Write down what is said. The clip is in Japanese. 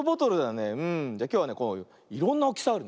きょうはねこういろんなおおきさあるね。